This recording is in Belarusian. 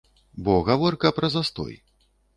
Бо гаворка пра застой.